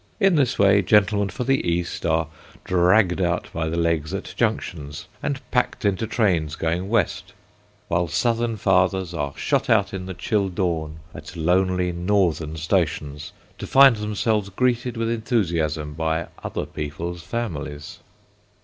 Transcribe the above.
In this way gentlemen for the east are dragged out by the legs at junctions, and packed into trains going west; while southern fathers are shot out in the chill dawn at lonely northern stations, to find themselves greeted with enthusiasm by other people's families.